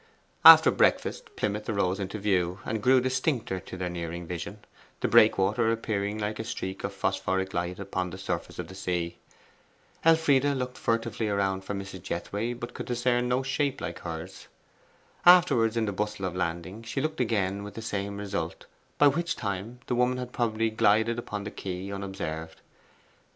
After breakfast, Plymouth arose into view, and grew distincter to their nearing vision, the Breakwater appearing like a streak of phosphoric light upon the surface of the sea. Elfride looked furtively around for Mrs. Jethway, but could discern no shape like hers. Afterwards, in the bustle of landing, she looked again with the same result, by which time the woman had probably glided upon the quay unobserved.